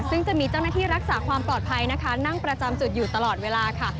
ซึ่งจะมีเจ้าหน้าที่รักษาความปลอดภัยนะคะนั่งประจำจุดอยู่ตลอดเวลาค่ะ